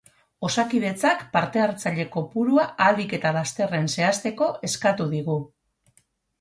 Osakidetzak parte-hartzaile kopurua ahalik eta lasterren zehazteko eskatu digu.